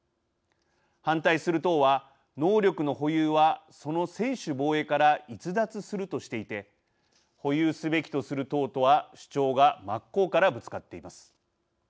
反対する党は、能力の保有はその専守防衛から逸脱するとしていて保有すべきとする党とは主張が真っ向からぶつかっています。